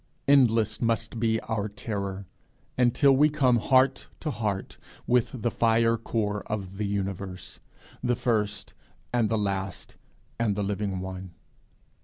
Endless must be our terror, until we come heart to heart with the fire core of the universe, the first and the last and the living one!